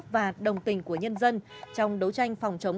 và đồng tình của nhân dân trong đấu tranh phòng chống